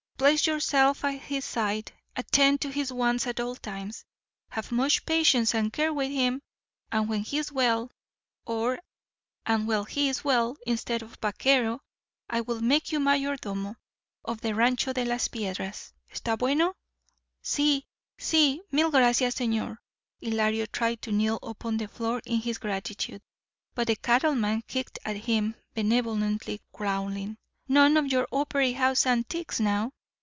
Place yourself at his side. Attend to his wants at all times. Have much patience and care with him. And when he is well, or—and when he is well, instead of vaquero I will make you mayordomo of the Rancho de las Piedras. Esta bueno?" "Si, si—mil gracias, señor." Ylario tried to kneel upon the floor in his gratitude, but the cattleman kicked at him benevolently, growling, "None of your opery house antics, now."